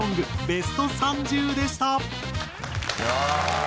ベスト３０でした。